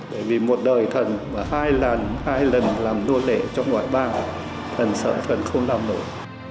bởi vì một đời thần hai lần hai lần làm vua đệ trong ngoại bang thần sợ thần không làm nổi